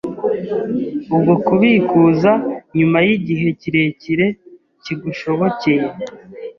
bwo kubikuza nyuma y’igihe kirekire kigushobokeye.